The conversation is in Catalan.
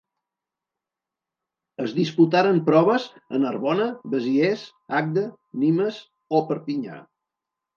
Es disputaren proves a Narbona, Besiers, Agde, Nimes o Perpinyà.